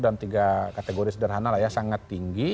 dalam tiga kategori sederhana lah ya sangat tinggi